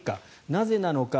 なぜなのか。